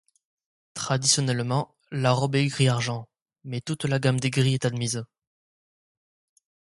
Traditionnellement, la robe est gris argent, mais toute la gamme des gris est admise.